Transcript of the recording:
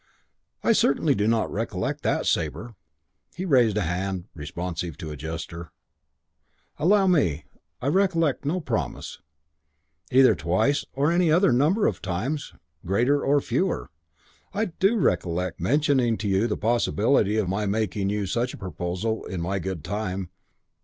"I certainly do not recollect that, Sabre." He raised a hand responsive to a gesture. "Allow me. I recollect no promise. Either twice or any other number of times, greater or fewer. I do recollect mentioning to you the possibility of my making you such a proposal in my good time.